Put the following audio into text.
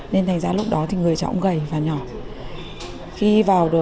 nên thành ra lúc đó thì người cháu cũng gầy và nhỏ